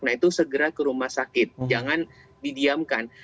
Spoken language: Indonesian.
nah itu segera ke rumah sakit jangan didiamkan